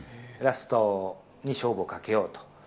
ラストに勝負をかけようと。